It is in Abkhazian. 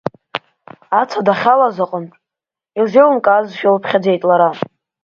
Ацәа дахьалаз аҟнытә, илзеилымкаазшәа лыԥхьаӡеит лара.